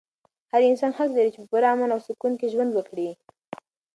هر انسان حق لري چې په پوره امن او سکون کې ژوند وکړي.